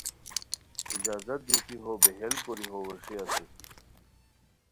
اجازت دیتی ہو بہیل کوری ہو ویݰئیے اسور